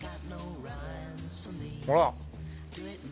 ほら。